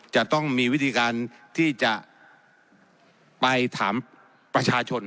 จะต้องมีวิธีการที่จะไปถามประชาชน